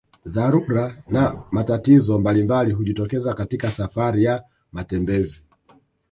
Dharura na matatizo mbalimbali hujitokeza katika safari ya matembezi